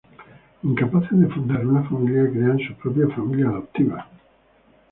Incapaces de fundar una familia, crean su propia familia adoptiva.